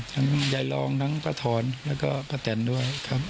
ทั้งใยรองทั้งพระถอนแล้วก็พระแต่นด้วยครับ